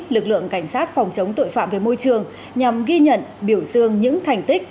lực lượng cảnh sát phòng chống tội phạm về môi trường nhằm ghi nhận biểu dương những thành tích